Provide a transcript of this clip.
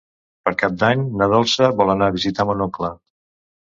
Per Cap d'Any na Dolça vol anar a visitar mon oncle.